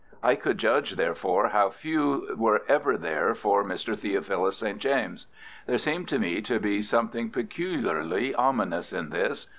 I could judge therefore how few were ever there for Mr. Theophilus St. James. There seemed to me to be something peculiarly ominous in this.